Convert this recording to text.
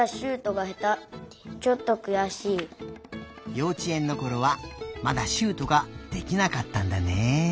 ようち園のころはまだシュートができなかったんだね。